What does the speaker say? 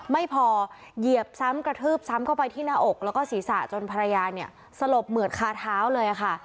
ไม่พอเหยียบซ้ำกระทืบซ้ำเข้าไปที่หน้าอกแล้วก็ศีรษะจนภรรยาเนี่ยสลบเหมือดคาเท้าเลยค่ะ